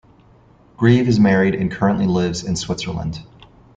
Greve is married and currently lives in Switzerland.